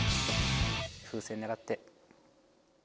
風船狙って。